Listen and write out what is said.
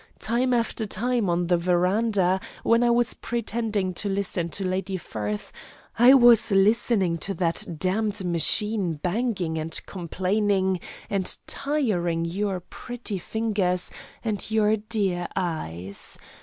Time after time, on the veranda, when I was pretending to listen to Lady Firth, I was listening to that damned machine banging and complaining and tiring your pretty fingers and your dear eyes.